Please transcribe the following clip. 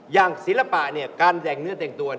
อย่างศิลปะการแต่งเนื้อแต่งตัว